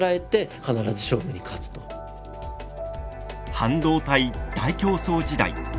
半導体大競争時代。